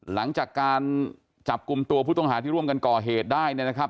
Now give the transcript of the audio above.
หลังจากการจับกลุ่มตัวผู้ต้องหาที่ร่วมกันก่อเหตุได้เนี่ยนะครับ